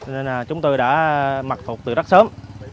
nên là chúng tôi đã mặc phục từ rất sớm